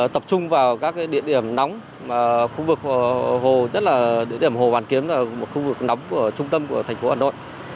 tập trung vào các địa điểm nóng khu vực hồ hoàn kiếm là một khu vực nóng của trung tâm của thành phố hà nội